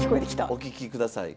お聴きください。